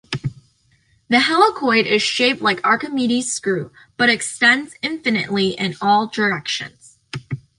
The helicoid is shaped like Archimedes screw, but extends infinitely in all directions.